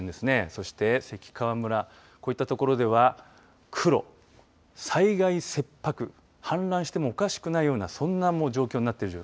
そして関川村こういったところでは黒災害切迫氾濫してもおかしくないようなそんな状況になっている。